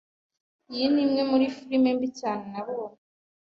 Iyi ni imwe muri firime mbi cyane nabonye.